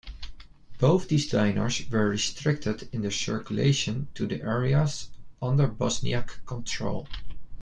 Both these dinars were restricted in their circulation to the areas under Bosniak control.